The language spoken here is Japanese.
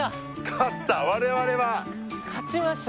勝った我々は勝ちました